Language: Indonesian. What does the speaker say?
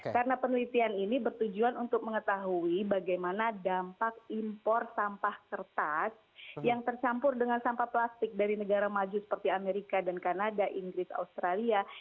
karena penelitian ini bertujuan untuk mengetahui bagaimana dampak impor sampah kertas yang tercampur dengan sampah plastik dari negara maju seperti amerika dan kanada inggris australia